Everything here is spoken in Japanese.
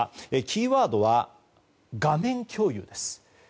キーワードは画面共有です。